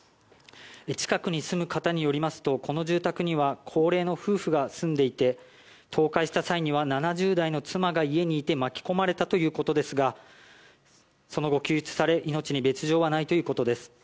近くに住む方によりますとこの住宅には高齢の夫婦が住んでいて倒壊した際には７０代の妻が家にいて巻き込まれたということですがその後、救出され命に別条はないということです。